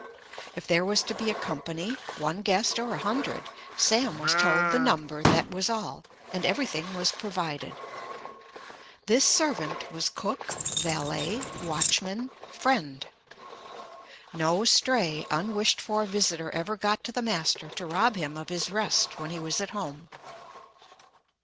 If there was to be a company—one guest or a hundred—Sam was told the number, that was all, and everything was provided. This servant was cook, valet, watchman, friend. No stray, unwished for visitor ever got to the master to rob him of his rest when he was at home.